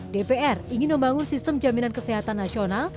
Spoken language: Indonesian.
dpr ingin membangun sistem jaminan kesehatan nasional